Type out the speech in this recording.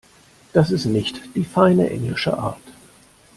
Das ist nicht die feine englische Art.